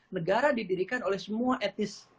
negara didirikan oleh semua etnis